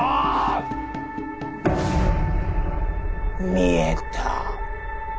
見えた！